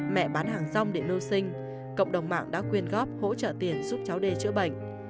mẹ bán hàng rong để mưu sinh cộng đồng mạng đã quyên góp hỗ trợ tiền giúp cháu đê chữa bệnh